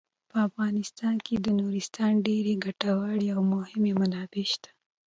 په افغانستان کې د نورستان ډیرې ګټورې او مهمې منابع شته.